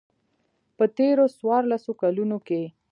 په تېرو څوارلسو کلونو کې.